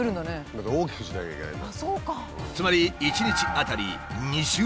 だって大きくしなきゃいけないんだもん。